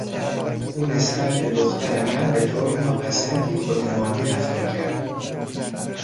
او نسبت به دختر من بهطور ناپسندی خودمانی رفتار کرد.